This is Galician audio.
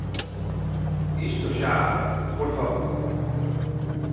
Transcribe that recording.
Isto xa..., por favor.